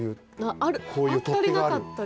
あったりなかったり。